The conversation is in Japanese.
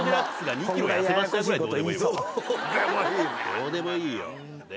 どうでもいいね。